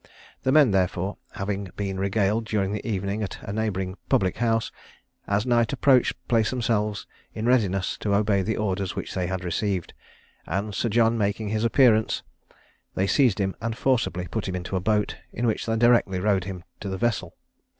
The men therefore, having been regaled during the evening at a neighbouring public house, as night approached placed themselves in readiness to obey the orders which they had received; and Sir John making his appearance, they seized him and forcibly put him into a boat, in which they directly rowed him to the vessel.